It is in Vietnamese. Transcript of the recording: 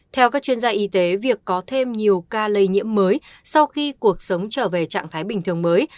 theo các chuyên gia y tế việc có thêm nhiều ca lây nhiễm mới sau khi cuộc sống trở về trạng thái bình thường mới